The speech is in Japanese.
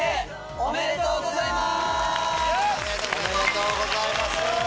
おめでとうございます！